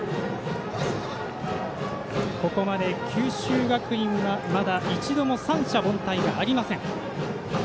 ここまで九州学院はまだ一度も三者凡退がありません。